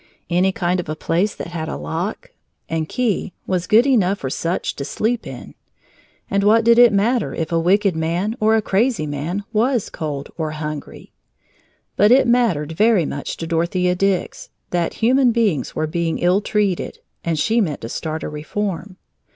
Any kind of a place that had a lock and key was good enough for such to sleep in. And what did it matter if a wicked man or a crazy man was cold or hungry? But it mattered very much to Dorothea Dix that human beings were being ill treated, and she meant to start a reform.